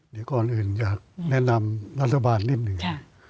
เดี๋ยวก่อนอื่นอยากแนะนำรัฐบาลนิดหนึ่ง